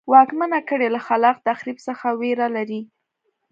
واکمنه کړۍ له خلاق تخریب څخه وېره لري.